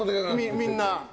みんな。